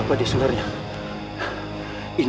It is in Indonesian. perbuatan kesempatan mimun